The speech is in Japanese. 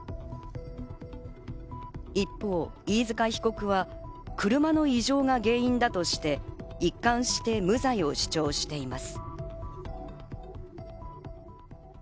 一方、飯塚被告は車の異常が原因だとして、一貫して無罪を主張しています。